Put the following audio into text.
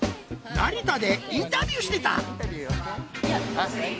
成田でインタビューしてた！